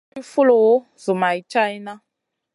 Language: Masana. Naï goy foulou zoumay tchaïna.